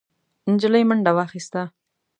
نجلۍ منډه واخيسته.